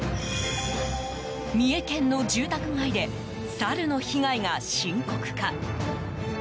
三重県の住宅街でサルの被害が深刻化。